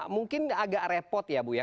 mungkin agak repot ya bu ya